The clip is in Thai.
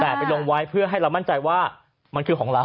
แต่ไปลงไว้เพื่อให้เรามั่นใจว่ามันคือของเรา